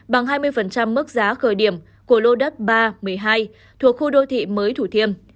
bằng hai mươi mức giá khởi điểm của lô đất ba một mươi hai thuộc khu đô thị mới thủ thiêm